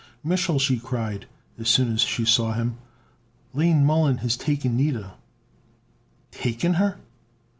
"Mich'l!" she cried, as soon as she saw him. "Lane Mollon has taken Nida!" "Taken her!"